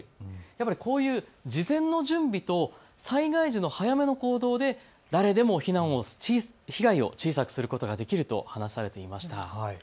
やっぱりこういう事前の準備と災害時の早めの行動で誰でも被害を小さくすることができると話されていました。